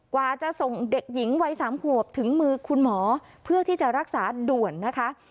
กว่าจะส่งเด็กหญิงวัย๓ขวบถึงมือคุณหมอเพื่อที่จะรักษาด่วนนะคะ